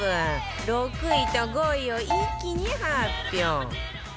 ６位と５位を一気に発表